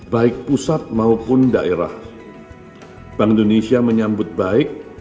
bank indonesia menyebut baik